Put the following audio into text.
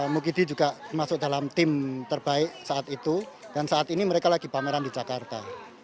mukidi juga masuk dalam tim terbaik saat itu dan saat ini mereka lagi pameran di jakarta